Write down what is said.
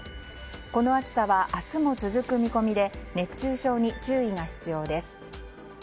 この暑さは明日も続く見込みで熱中症に注意が必要です。